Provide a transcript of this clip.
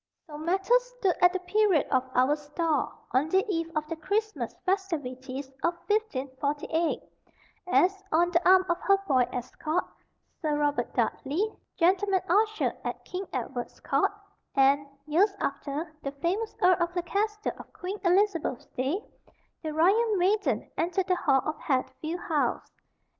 So matters stood at the period of our store, on the eve of the Christmas festivities of 1548, as, on, the arm of her boy escort, Sir Robert Dudley, gentleman usher at King Edward's court, and, years after, the famous Earl of Leicester of Queen Elizabeth's day, the royal maiden entered the hall of Hatfield House.